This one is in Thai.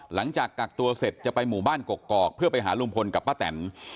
หลังจากกักตัวเสร็จจะไปหมู่บ้านกกอกเพื่อไปหาลุงพลกับป้าแตน